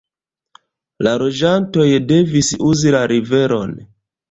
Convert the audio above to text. La loĝantoj devis uzi la riveron.